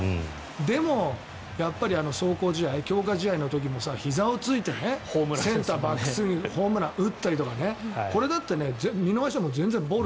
でも、やっぱり壮行試合強化試合の時もひざを突いてセンターバックスクリーンにホームラン打ったりとかこれだって見逃したら全然ボール。